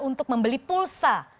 untuk membeli pulsa